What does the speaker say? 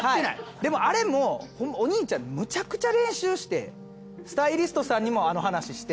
でもあれもほんまお兄ちゃんむちゃくちゃ練習してスタイリストさんにもあの話して。